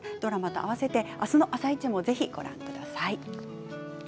合わせて明日の「あさイチ」もぜひご覧ください。